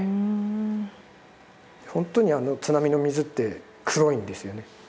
本当に津波の水って黒いんですよね。